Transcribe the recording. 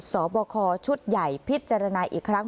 สอบคอชุดใหญ่พิจารณาอีกครั้ง